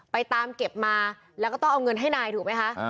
ไปตามเก็บมาแล้วก็ต้องเอาเงินให้นายถูกไหมคะ